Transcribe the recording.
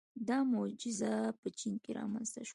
• دا معجزه په چین کې رامنځته شوه.